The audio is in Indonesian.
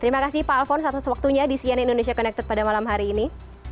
terima kasih pak alphonse atas waktunya di cnn indonesia connected pada malam hari ini